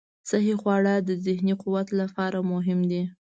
صحي خواړه د ذهني قوت لپاره مهم دي.